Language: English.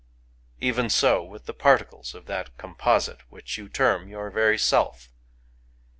Even so with the particles of that composite which you term your very Self.